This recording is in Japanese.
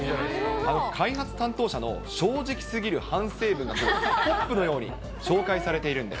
開発担当者の正直すぎる反省文がポップのように紹介されているん